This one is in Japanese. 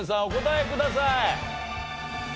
お答えください。